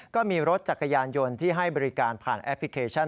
ก็มีรถจักรยานยนต์ที่ให้บริการผ่านแอปพลิเคชัน